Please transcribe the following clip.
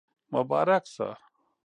مبارک شه